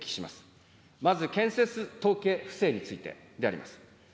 まず建設統計不正についてであります。